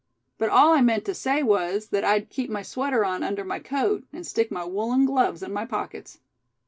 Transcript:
But all I meant to say was, that I'd keep my sweater on under my coat, and stick my woolen gloves in my pockets."